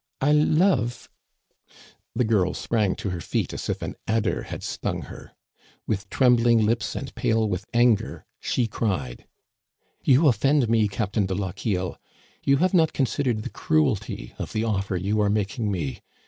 I love —'' The girl sprang to her feet as if an adder had stung her With trembling lips and pale with anger, she cried :" You offend me. Captain de Lochiel ! You have not considered the cruelty of the offer you are making me